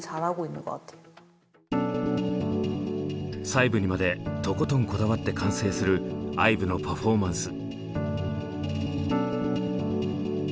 細部にまでとことんこだわって完成するＩＶＥのパフォーマンス。